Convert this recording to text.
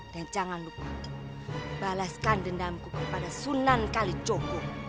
dan jangan lupa balaskan dendamku kepada sunan kalijogo